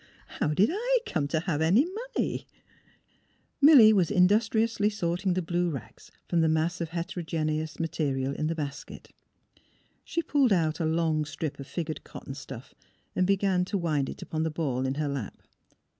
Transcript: " But — but how did I come to have any money? " 108 THE HEART OF PHILURA Milly was industriously sorting the blue rags from the mass of heterogeneous material in the basket. She pulled out a long strip of figured cot ton stuif and began to wind it upon the ball in her lap.